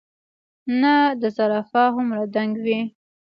نۀ د زرافه هومره دنګ وي ،